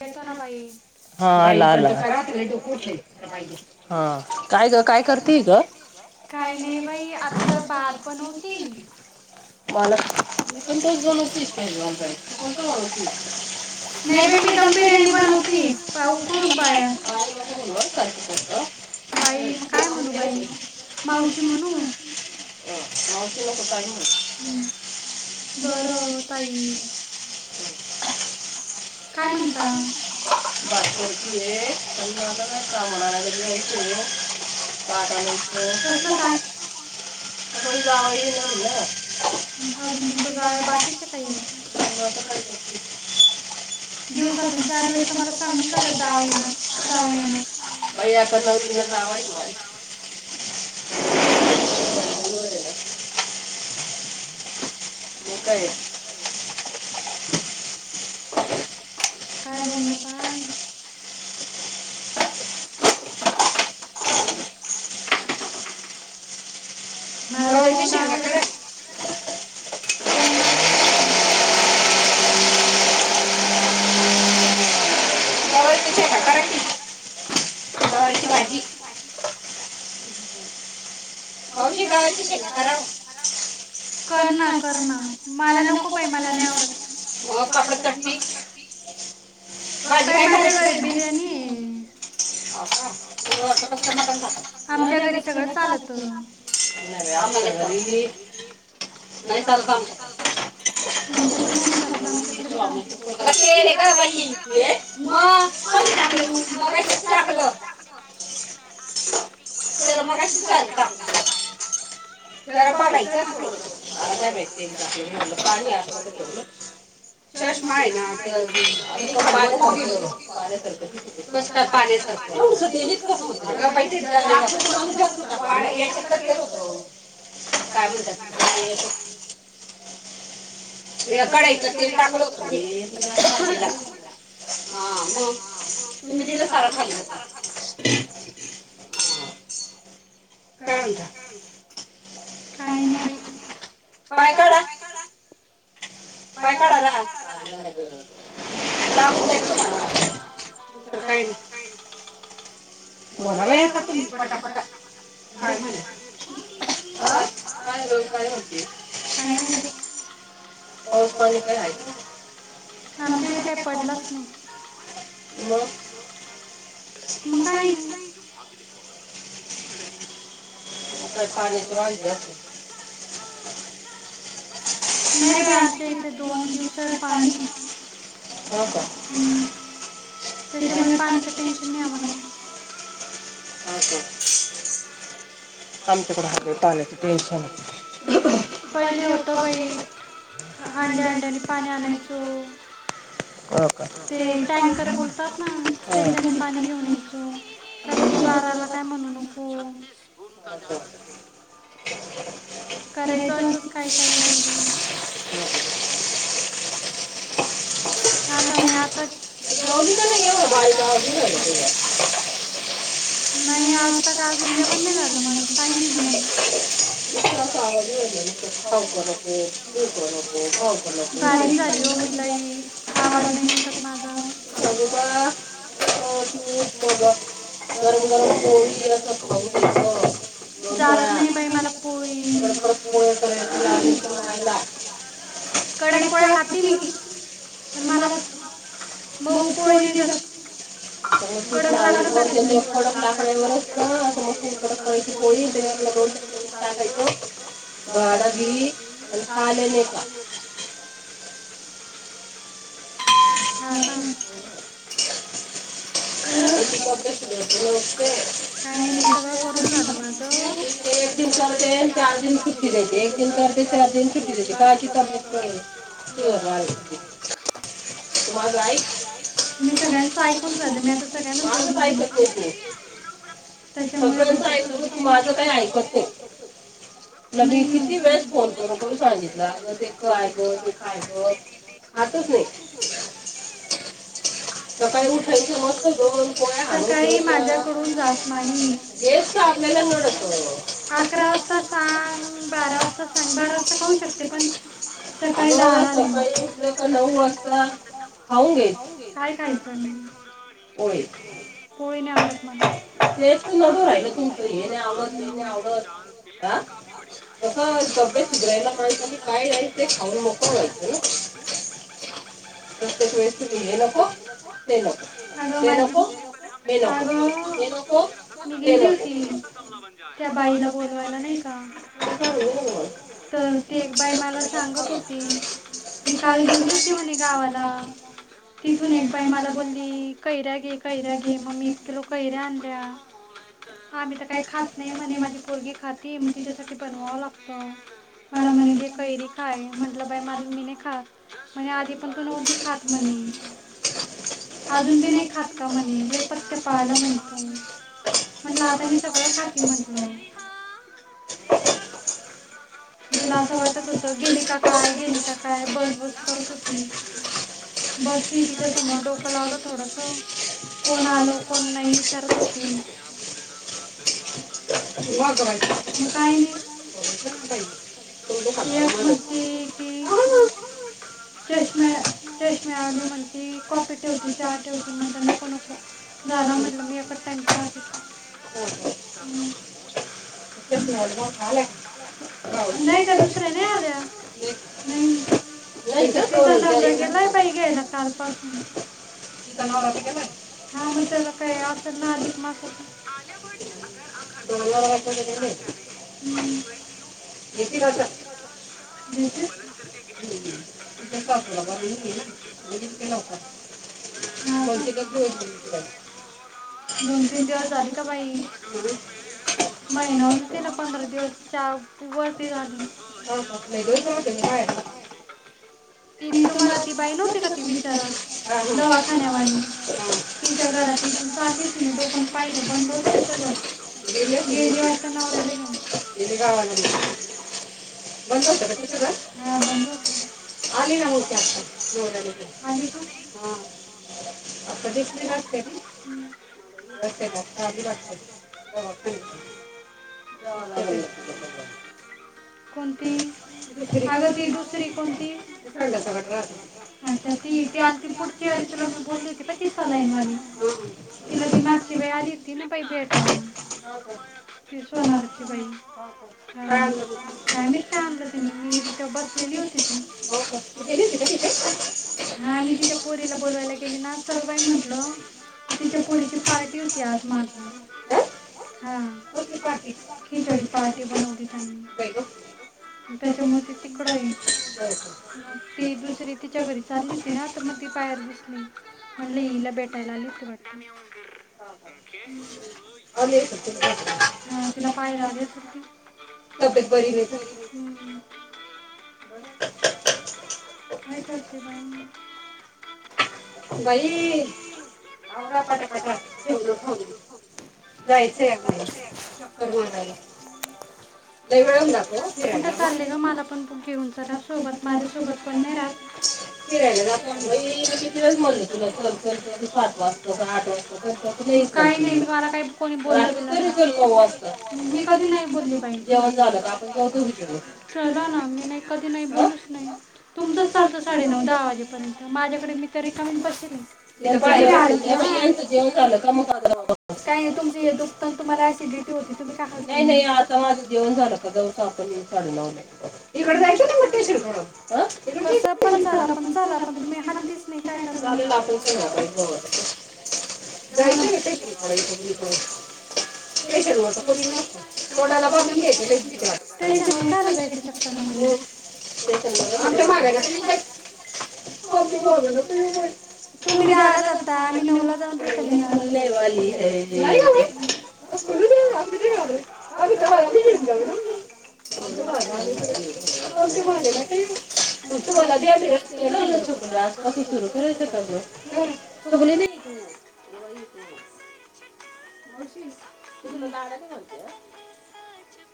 कथो ना पाई [unintelligible] काही नाही बाई आताता भात बनवती. [unintelligible] नाही बेट दम बिर्याणी बनवती. मावशी. ह मावश्यला कुठ आहे. बरों आहे काही [unintelligible] काय म्ह बा [unintelligible] [unintelligible] [unintelligible] [inaudible] दिवसातून, चारदिवसातून पाणी [unintelligible] [inaudible] [inaudible] काय बोलणार बाय? मला तोंड आलंय. [unintelligible] [unintelligible] गवारीची भाजी, गवारीची भाजी. मावशी [unintelligible] कर ना, कर ना मला नको बाई मला नाही आवडत. [unintelligible] [unintelligible] [unintelligible] [unintelligible] तुमच्याकडे नाही चालत आमच्याकडे चालत, अग तेल ये ग बाई, हे, म. टाकलं तू, मगाशीच टाकलं. त्याला मगाशीच [unintelligible] काप [unintelligible] [unintelligible] चष्मा आहे ना [unintelligible] कस काय पाण्यासारख. [unintelligible] [unintelligible] [unintelligible] कडईतल तेल टाकलं होत मी [unintelligible] हा मग, हा मग तुम्ही तिला सारा खाल्लं. [unintelligible] [unintelligible] काही नाही बाई पाय काढा, पाय काढा. [unintelligible] [unintelligible] [inaudible] बोला बाई आता तुम्ही पटापटा. काय नई बाई. [unintelligible] आमच्या इथे काही पडलाच नाही. म, मग काही नाई. [unintelligible] म काय पाण्याची बदली असल. नय. [unintelligible] दोन लिटर पाणी, हो का. [unintelligible] ह का. पहिले होत बाई. हंड्या हंड्यानी पाणी आणायचो. ते टँकर बोलतात ना त्याच्याने पाणी घेऊण यायचो. रात्री बाराला काय म्हणू नको. करायचो असंच काही काही काही. [inaudible] आता नाही आता [inaudible] नाही आज तर का अजून जेवण नाही झालं माझं. टाईम आहे [unintelligible] बारीक झाल नाही ओ मी लई आवाज नाही निघत माझा [unintelligible] गरम गरम पोळी असं खाऊ घ्यायचं. जात नाही बाई मला पोळी. कडक पोळ्या खाती. तुम्हाला मऊ पोळी दिल [unintelligible] मस्तपैकी अशी कडक करायची पोळीे आणि तेज्यावर [unintelligible] [inaudible] हा, हा, [inaudible] हं. [unintelligible] एक दिन करते चार दिन सुुट्टी देते, एक दिन करते चार दिन सुुट्टी देते कारण की तब्येत [unintelligible] [inaudible] तू माझं ऐक माझ ऐक एकदा तू. तू सगळ्यांचं ऐक माझं काय ऐकत तु तुला मी किती वेळेस फोन करून सांगितलं, अग ते काय ग खाय बघ खातच नाही. [inaudible] सकाळी उठायचं मस्त दोन दोन पोळ्या हाणायच्या. एक [unintelligible] अकरा वाजता, [unintelligible] बारा वाजता [unintelligible] बारा वाजता कोण शकते पण सकाळी दहाला आली मी. [unintelligible] काय खायचं मी? पोळी नाही आवडत मला. [unintelligible] [unintelligible] प्रत्येक वेळेस तुने हे नको अगं माझी अगं मी गेली होती. त्या बाईला बोलवायला नाही का, तर ती एक बाई मला सांगत होती, मी काल गेली होती म्हणे गावाला. तिथून एक बाई मला बोलली कैऱ्या घे, कैऱ्या घे. मग मी एक किलो कैऱ्या आणल्या. आाम्ही तर काही खात नाही म्हणे माझी पोरगी खाती मी तिच्यासाठी बनवाव लागतो. मला म्हणे घे कैरी खाय म्हण मारून मी नाही खात म्हणे आधी पण तू नव्हती खात म्हणे. अजून पण नाही खात का म्हणे. [unintelligible] म्हटलं आता मी सगळं खाती म्हटलं. तिला असं वाटत होत गेली का काय गेल का काय बस बस करत होती. बस तिच्या समोर डोक लावल थोडंसं कोण आलं कोण नाही विचारत होती. मग काय नाही. [unintelligible] [unintelligible] ती कॉफी ठेवती, चहा ठेवती म्हटलं नको, नको. झाल म्हंटलं मी एकच टाईम चहा पीती. [inaudible] [unintelligible] नाही त्या दुसऱ्या नाही आल्या. नाही तिचा नवरा गेलाय बाई घ्यायला. कालपासून. हा मग त्याला काय असेल ना अधिक मासाच. र [unintelligible] जेथे [unintelligible] म्ह नका [unintelligible] म तच्या [unintelligible] महि ना आप ला च. ट पा ती [unintelligible] तु्वाखा तु घरात [unintelligible] बंदच त स ग गेली वाटतं नवऱ्याला घेऊन. बंदहोत [unintelligible] मा [unintelligible] ते [unintelligible] जावं लागेल.. कोणती अगती दुसरी कोणती? ती ते आणि ती पुढची आणि तिला मी बोलली होती प ती सलाईन वाली, तिला ती मागची बाई आली हो. तिने बाई भेट आहे ना [unintelligible] पसवणारची बाई काय माहित? खूप टामला तिने मी गेली तेव्हा बसलेली होती ती. हा मी तिच्या पोरीला बोलवायला गेली ना सलबाई म्हंटल, तिच्या पोरीची पार्टी होती. त्यात माग. हा खिचडी पार्टी बनवली त्यांनी. त्याच्यामुळे त तीिकडाई मग ती दुसरी त चालली ती ना आ तर मग ती बाहेर दिसली म्हटलं हला भेटायला आली त वाटत. हो. हा तिला पाय लाली सुर्ी [unintelligible] परले हम्. काय करते मग? [unintelligible] बा हवरा पटापटा जेवण फोन राय, जायचे आपल्याला. क् माराई नाही मिळून दाखव [unintelligible] ते कुठे चाललेय ग? मला पण बुक घेऊन ला सोबत माझ्यासोबत पण नाही राहत. म [unintelligible] ळेस म्हणलं तुला च सात वाजता आठ वाजता तु [unintelligible] नाही नाही मला [unintelligible] तरी असते नऊ वाजताअसतात मी कधी नाही बोलली जेव्हा झालंण. चला ना मी नाही कधी नाही बोलूच नाही, तुमचंच चालतं साडेनऊ दहा वाजेपर्यंत. माझ्याकडे मी तरी मी प तरीी आल [unintelligible] काही तुमचे दु पण तुम्हाला ऍसिडिटी होती तुम्ही काय खाता? नाही नाही आता माझं जेवण झालं का जाऊ. कस पण चला पण चला. ण तुम्ही हलतीच नाही काय करणार. [unintelligible] केशरवर कोणी नसत तोडाला बघून घेते. [unintelligible] आमच्या मागाय नका येऊ [unintelligible] तुम्ही द आला जातता आम्ही नऊला जाऊन रिटर्न येणार. अ तर घ जा [unintelligible] ना त बला [unintelligible] चोकरी आसपासू सुरू कर रेच तग चोकली नाही. वई त तडत